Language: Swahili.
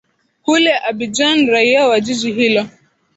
kule abidjan raia wa jiji hilo